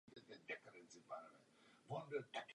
Farářem sboru je Radek Matuška.